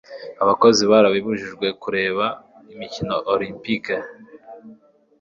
abakozi barabujijwe kureba imikino olempike